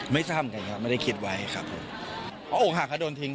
ไม่ส้มเลยครับนะครับไม่ได้คิดไว้ค่ะโอคหลาส์อากาศโดนทิ้ง